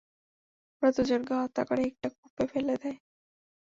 ওদের দুজনকে হত্যা করে একটা কূপে ফেলে দেয়।